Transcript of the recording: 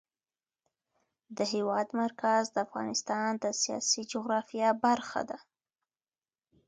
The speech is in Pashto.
د هېواد مرکز د افغانستان د سیاسي جغرافیه برخه ده.